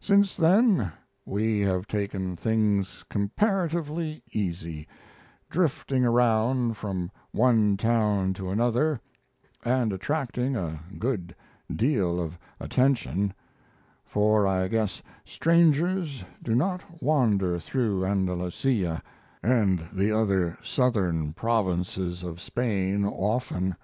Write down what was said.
Since then we have taken things comparatively easy, drifting around from one town to another and attracting a good deal of attention for I guess strangers do not wander through Andalusia and the other southern provinces of Spain often.